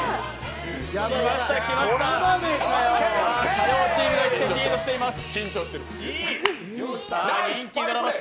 火曜チームが１点リードしています。